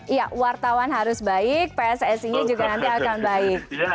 iya wartawan harus baik pssi nya juga nanti akan baik